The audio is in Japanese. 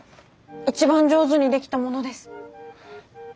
一番上手に出来たものです。